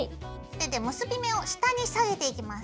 手で結び目を下に下げていきます。